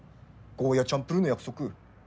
ゴーヤーチャンプルーの約束。